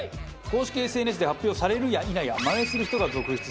公式ＳＮＳで発表されるや否やマネする人が続出。